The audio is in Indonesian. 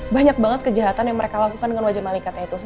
banyak banget kejahatan yang mereka lakukan dengan wajah malikatnya itu